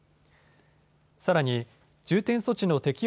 さらに重点措置の適用